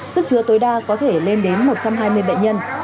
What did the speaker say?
sức chứa tối đa có thể lên đến một trăm hai mươi bệnh nhân